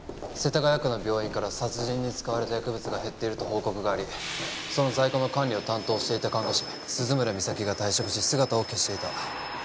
世田谷区の病院から殺人に使われた薬物が減ってると報告がありその在庫の管理を担当していた看護師鈴村美咲が退職し姿を消していた。